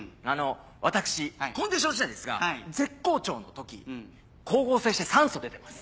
私コンディション次第ですが絶好調の時光合成して酸素出てます。